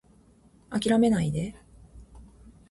諦めないで